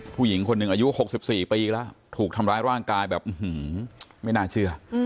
ผู้หญิงคนหนึ่งอายุ๖๔ปีแล้วถูกทำร้ายร่างกายแบบไม่น่าเชื่อ